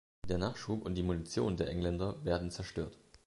Der Nachschub und die Munition der Engländer werden zerstört.